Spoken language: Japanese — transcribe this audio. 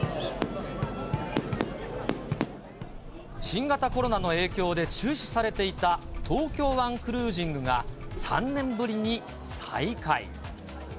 新型コロナの影響で中止されていた、東京湾クルージングが３年ぶりに再開。